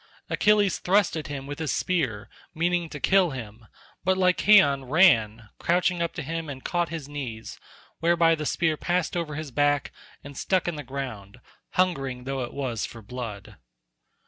Achilles thrust at him with his spear, meaning to kill him, but Lycaon ran crouching up to him and caught his knees, whereby the spear passed over his back, and stuck in the ground, hungering though it was for blood.